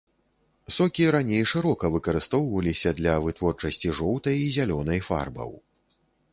Сокі раней шырока выкарыстоўваліся для вытворчасці жоўтай і зялёнай фарбаў.